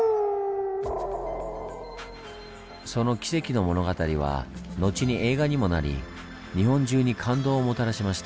その奇跡の物語は後に映画にもなり日本中に感動をもたらしました。